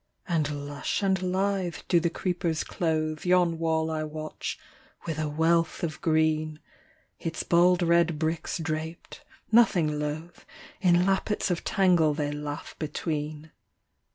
And lush and lithe do the creepers clothe Yon wall I watch, with a wealth of green: Its bald red bricks draped, nothing loath, In lappets of tangle they laugh between.